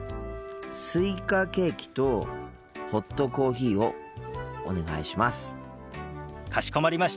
スイカケーキとホットコーヒーをお願いします。